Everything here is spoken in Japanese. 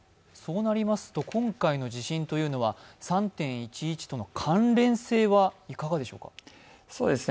そうなりますと今回の地震は、３・１１との関連性はいかがでしょうか。